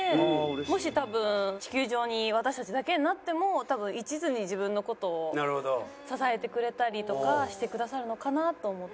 もし多分地球上に私たちだけになっても一途に自分の事を支えてくれたりとかしてくださるのかなと思って。